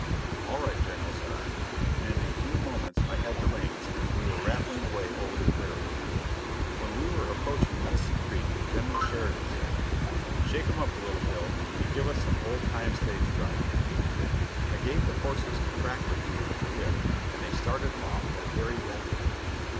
"All right, General," said I, and in a few moments I had the reins and we were rattling away over the prairie. When we were approaching Medicine Creek, General Sheridan said: "Shake 'em up a little, Bill, and give us some old time stage driving." I gave the horses a crack or two of the whip, and they started off at a very rapid gait.